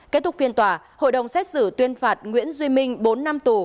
kết thúc phiên tòa hội đồng xét xử tuyên phạt nguyễn duy minh bốn năm tù